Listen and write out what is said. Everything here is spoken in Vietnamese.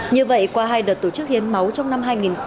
như vậy qua hai đợt tổ chức hiến máu trong năm hai nghìn hai mươi hai